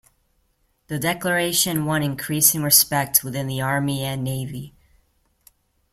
The declaration won increasing respect within the army and navy.